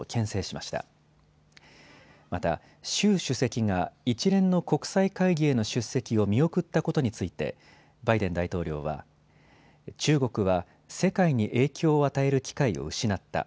また、習主席が一連の国際会議への出席を見送ったことについてバイデン大統領は中国は世界に影響を与える機会を失った。